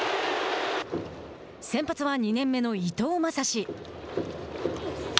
先発は、２年目の伊藤将司。